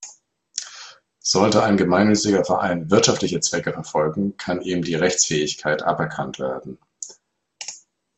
Sollte ein gemeinnütziger Verein wirtschaftliche Zwecke verfolgen, kann ihm die Rechtsfähigkeit aberkannt werden.